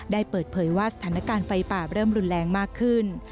ได้เปิดเผยว่าสถานการณ์ไฟป่าเริ่มรุนแรงมากขึ้น